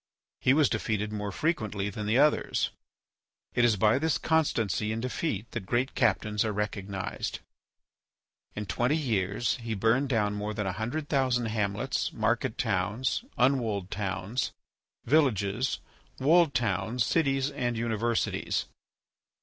He was defeated more frequently than the others. It is by this constancy in defeat that great captains are recognized. In twenty years he burned down more than a hundred thousand hamlets, market towns, unwalled towns, villages, walled towns, cities, and universities.